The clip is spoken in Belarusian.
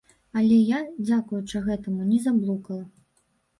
Але я, дзякуючы гэтаму, не заблукала.